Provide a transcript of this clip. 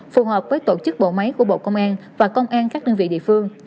phù hợp với tổ chức bộ máy của bộ công an và công an các đơn vị địa phương